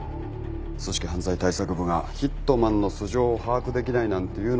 組織犯罪対策部がヒットマンの素性を把握できないなんていうのは。